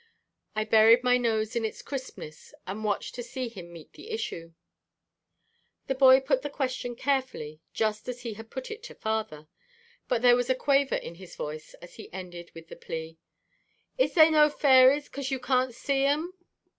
I buried my nose in its crispness and watched to see him meet the issue. The boy put the question carefully just as he had put it to father, but there was a quaver in his voice as he ended with his plea. "Is they no fairies, 'cause you can't see 'em?"